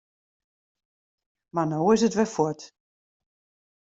Mar no is it wer fuort.